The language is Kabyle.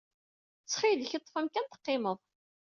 Ttxil-k, ḍḍef amkan teqqimed!